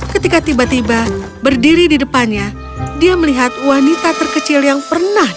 ketika tiba tiba berdiri di depannya dia melihat wanita terkecil yang pernah